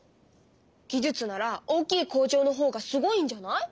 技術なら大きい工場のほうがすごいんじゃない？